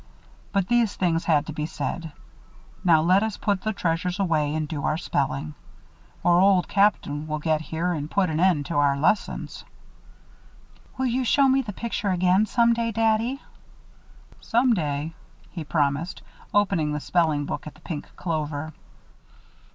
But these things had to be said. Now let us put the treasures away and do our spelling, or Old Captain will get here and put an end to our lessons." "Will you show me the picture again, some day, Daddy?" "Some day," he promised, opening the spelling book at the pink clover.